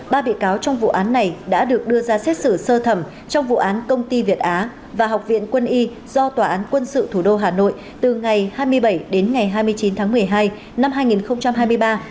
ba bị cáo trong vụ án này đã được đưa ra xét xử sơ thẩm trong vụ án công ty việt á và học viện quân y do tòa án quân sự thủ đô hà nội từ ngày hai mươi bảy đến ngày hai mươi chín tháng một mươi hai năm hai nghìn hai mươi ba